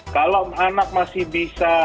kalau anak masih bisa